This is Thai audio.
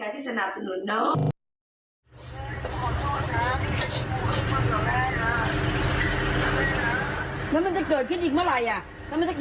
โทษแม่